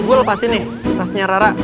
gue lepasin nih tasnya rara